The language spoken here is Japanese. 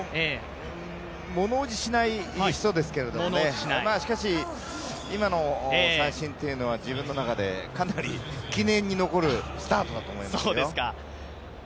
物おじしない人ですけども、しかし、今の三振は自分の中でかなり記念に残るスタートだと思いますよ。